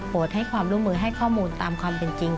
ให้ความร่วมมือให้ข้อมูลตามความเป็นจริง